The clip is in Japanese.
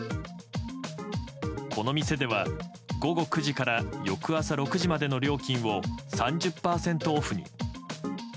この店では午後９時から翌朝６時までの料金を３０％オフに。